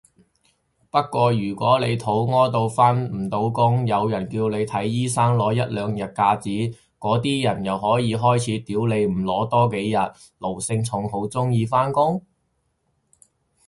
不過如果你肚痾到返唔到工，有人叫你睇醫生攞一兩日假紙，嗰啲人又可以開始屌你唔攞多幾日，奴性重好鍾意返工？